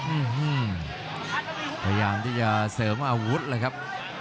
อืมพยายามที่จะเสริมอาวุธเลยครับ